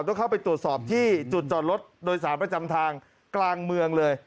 ต้องเข้าไปตรวจสอบที่จุดจอดรถโดยสารประจำทางกลางเมืองเลย